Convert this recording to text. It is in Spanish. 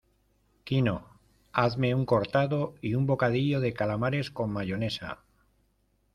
Quino, hazme un cortado y un bocadillo de calamares con mayonesa.